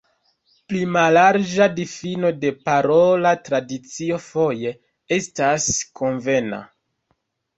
Pli mallarĝa difino de parola tradicio foje estas konvena.